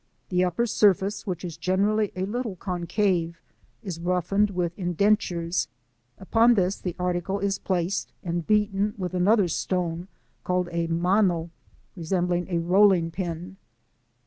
The upper surface, which is generally a little concave, is roughened with indentures ; upon this the article is placed and beaten with another stone called a mano, resembling a rolling pin.